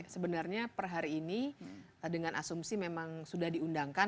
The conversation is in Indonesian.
sebenarnya per hari ini dengan asumsi memang sudah diundangkan